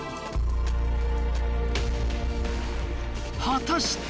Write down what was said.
果たして。